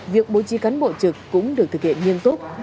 việc bố trí cán bộ trực cũng được thực hiện nghiêm túc